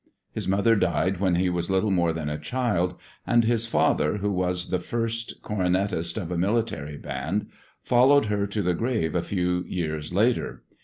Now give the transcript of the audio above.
His mother died when he was little more than a child, and his father, who was the first cornetist of a military band, followed her to the grave a few years later.